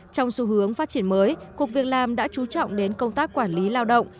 trong xu hướng phát triển mới cục việc làm đã trú trọng đến công tác quản lý lao động